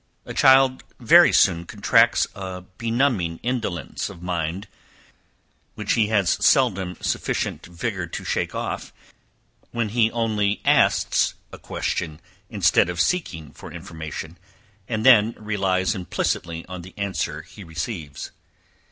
A child very soon contracts a benumbing indolence of mind, which he has seldom sufficient vigour to shake off, when he only asks a question instead of seeking for information, and then relies implicitly on the answer he receives.